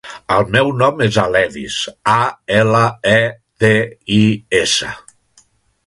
El meu nom és Aledis: a, ela, e, de, i, essa.